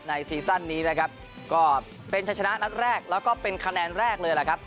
ในซีซั่นนี้ก็เป็นชนะนัดแรกและก็เป็นคะแนนแรกเลยละครับ